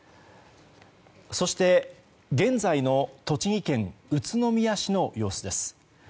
そして現在の栃木県宇都宮市の様子です。